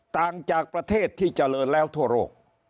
ต่างจากประเทศที่เจริญแล้วทั่วโลก